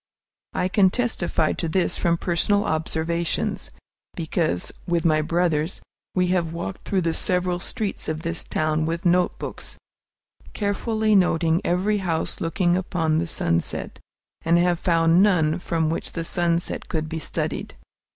I can testify to this from personal observations, because, with my brothers, we have walked through the several streets of this town with notebooks, carefully noting every house looking upon the sunset, and have found none from which the sunset could be studied.